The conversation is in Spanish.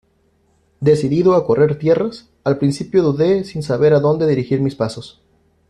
decidido a correr tierras, al principio dudé sin saber a dónde dirigir mis pasos: